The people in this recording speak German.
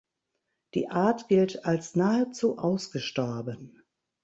Die Art gilt als nahezu ausgestorben.